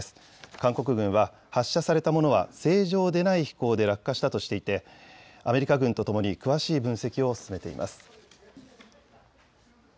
韓国軍は発射されたものは正常でない飛行で落下したとしていて、アメリカ軍とともに、詳しい分析を進めています。